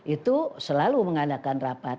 itu selalu mengadakan rapat